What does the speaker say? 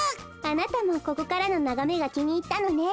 あなたもここからのながめがきにいったのね。